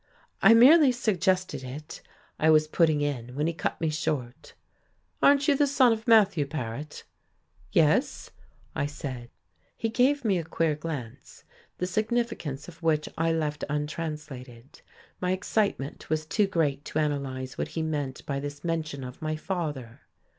"I merely suggested it," I was putting in, when he cut me short. "Aren't you the son of Matthew Paret?" "Yes," I said. He gave me a queer glance, the significance of which I left untranslated. My excitement was too great to analyze what he meant by this mention of my father....